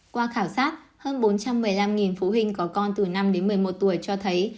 qua khảo sát hơn bốn trăm một mươi năm phụ huynh có con từ năm đến một mươi một tuổi cho thấy